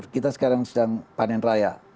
kita sekarang sedang panen raya